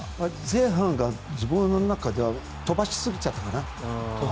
前半が自分の中では飛ばしすぎちゃったかな。